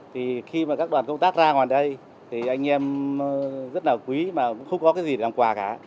thì khi mà các đoàn công tác ra ngoài đây thì anh em rất là quý mà cũng không có cái gì làm quà cả